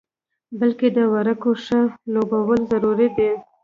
بلکې د ورقو ښه لوبول ضروري دي.